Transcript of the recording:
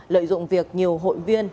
lợi dụng việc nhiều hội viên